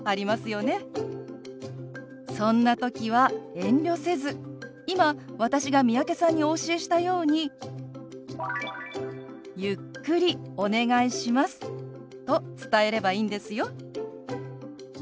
そんな時は遠慮せず今私が三宅さんにお教えしたように「ゆっくりお願いします」と伝えればいいんですよ。